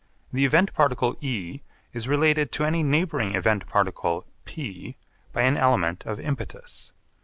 The event particle E is related to any neighbouring event particle P by an element of impetus.